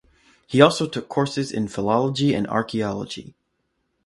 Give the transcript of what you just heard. He also took courses in philology and archaeology.